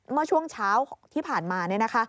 เมื่อช่วงเช้าที่ผ่านมา